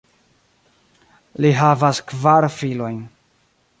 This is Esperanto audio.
Li havas kvar filojn.